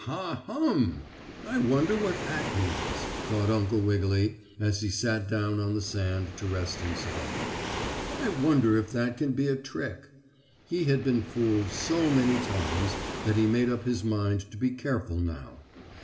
"Ha, hum! I wonder what that means," thought Uncle Wiggily, as he sat down on the sand to rest himself. "I wonder if that can be a trick?" He had been fooled so many times that he made up his mind to be careful now.